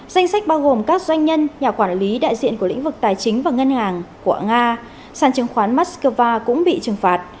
danh sách bao gồm các doanh nhân nhà quản lý đại diện của lĩnh vực tài chính và ngân hàng của nga sản chứng khoán moscow cũng bị trừng phạt